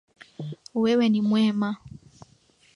Wewe ni mwema